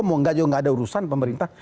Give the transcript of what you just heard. mongga juga nggak ada urusan pemerintah